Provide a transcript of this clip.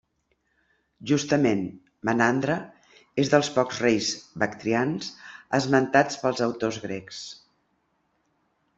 Justament, Menandre és dels pocs reis bactrians esmentats pels autors grecs.